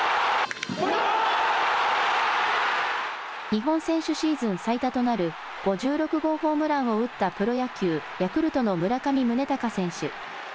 日本選手シーズン最多となる５６号ホームランを打ったプロ野球・ヤクルトの村上宗隆選手。